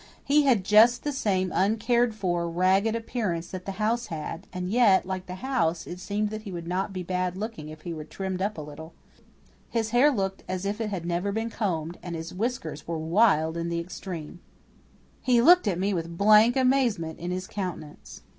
He had just the same uncared for, ragged appearance that the house had; and yet, like the house, it seemed that he would not be bad looking if he were trimmed up a little. His hair looked as if it had never been combed, and his whiskers were wild in the extreme. He looked at me with blank amazement in his countenance.